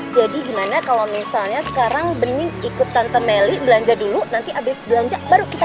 jadi gimana kalau misalnya sekarang berman ikutsan temeli belanja dulu nanti abis belanja baru kita